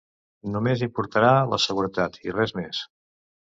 Només importarà la seguretat, i res més.